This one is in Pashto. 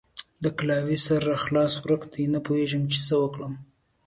د کلاوې سر راڅخه ورک دی؛ نه پوهېږم چې څه وکړم؟!